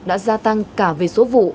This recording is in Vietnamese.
đã gia tăng cả về số vụ